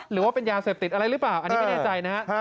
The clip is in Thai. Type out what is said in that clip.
หรือว่าเป็นยาเสพติดอะไรหรือเปล่าอันนี้ไม่แน่ใจนะฮะ